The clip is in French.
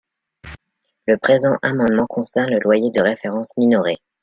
Le présent amendement concerne le loyer de référence minoré.